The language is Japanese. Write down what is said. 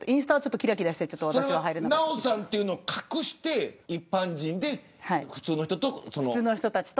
それはナヲさんというのを隠して一般人で普通の人と。